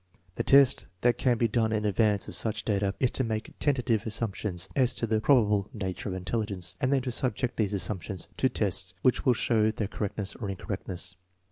The best that can be done in advance of such data is to make tentative assumptions as to the proWible nature erf intelligence, and then to subject these assumptions to tests which will show their correctness or incorrectness.